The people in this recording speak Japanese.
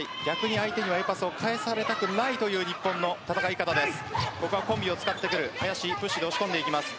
相手にはＡパスを返されたくないという日本の戦い方です。